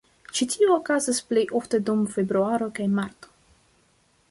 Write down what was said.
Ĉi tio okazas plejofte dum februaro kaj marto.